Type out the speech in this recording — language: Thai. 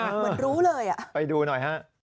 เหมือนรู้เลยอ่ะไปดูหน่อยฮะ